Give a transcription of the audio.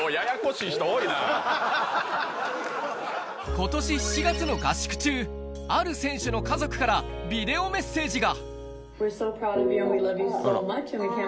ことし７月の合宿中、ある選手の家族からビデオメッセージが。